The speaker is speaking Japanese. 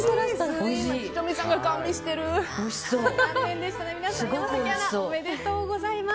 おめでとうございます。